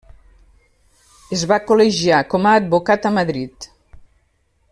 Es va col·legiar com a advocat a Madrid.